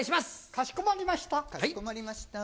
かしこまりました。